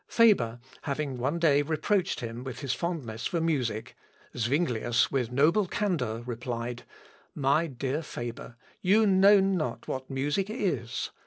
" Faber having one day reproached him with his fondness for music, Zuinglius, with noble candour, replied, "My dear Faber, you know not what music is.